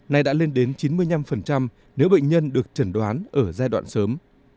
nay đã lên đến chín mươi năm nếu bệnh nhân được chẩn đoán ở giai đoạn sớm